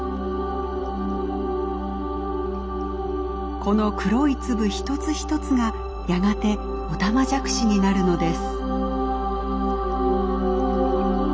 この黒い粒一つ一つがやがてオタマジャクシになるのです。